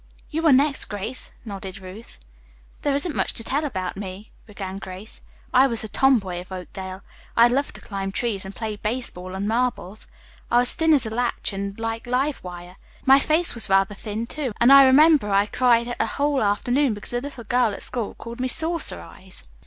"You are next, Grace," nodded Ruth. "There isn't much to tell about me," began Grace. "I was the tomboy of Oakdale. I loved to climb trees and play baseball and marbles. I was thin as a lath and like live wire. My face was rather thin, too, and I remember I cried a whole afternoon because a little girl at school called me 'saucer eyes.'